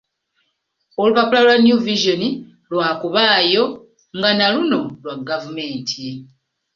Olupapula lwa New Vision lwakubaayo nga na luno lwa gavumenti.